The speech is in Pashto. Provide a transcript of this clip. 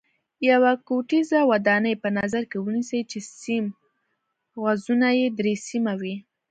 یوه کوټیزه ودانۍ په نظر کې ونیسئ چې سیم غځونه یې درې سیمه وي.